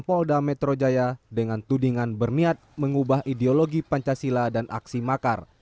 polda metro jaya dengan tudingan berniat mengubah ideologi pancasila dan aksi makar